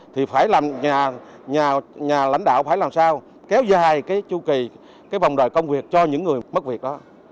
thì phải làm nhà lãnh đạo phải làm sao kéo dài cái chu kỳ cái vòng đời công việc cho những người mất việc đó